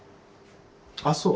あそう。